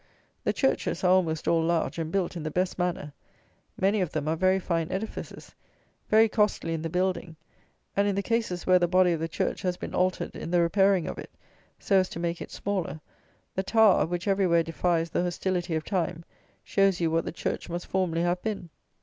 The churches are almost all large, and built in the best manner. Many of them are very fine edifices; very costly in the building; and, in the cases where the body of the church has been altered in the repairing of it, so as to make it smaller, the tower, which everywhere defies the hostility of time, shows you what the church must formerly have been.